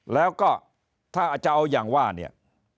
แล้วก็ถ้าจะเอาอย่างว่าเนี่ย